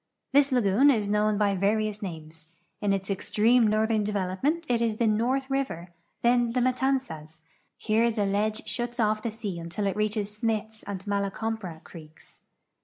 This lagoon is known h}" vari ous names ; in its extreme northern development it is the North river, then the INIatanzas. Plere the ledge shuts off the sea until it reaches Smiths and Mala Compra creeks.